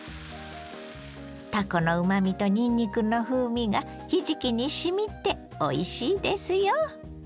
たこのうまみとにんにくの風味がひじきにしみておいしいですよ。